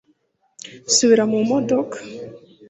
Subira mu modoka